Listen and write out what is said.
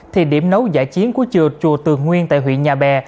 thì điểm nấu giải chiến của chùa tường nguyên tại huyện nhà bè